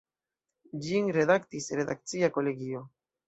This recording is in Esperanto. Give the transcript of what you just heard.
Ĝin redaktis „redakcia kolegio“.